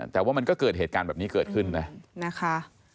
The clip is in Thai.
แต่ว่ามันก็เกิดเหตุการณ์แบบนี้เกิดขึ้นนะนะคะ